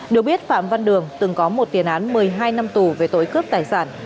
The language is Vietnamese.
được biết phạm văn đường từng có một tiền án một mươi hai năm tù về tội cướp tài sản